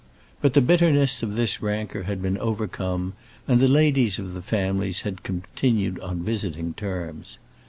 But the bitterness of this rancour had been overcome, and the ladies of the families had continued on visiting terms.